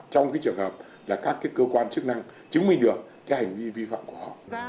trong cái trường hợp là các cơ quan chức năng chứng minh được cái hành vi vi phạm của họ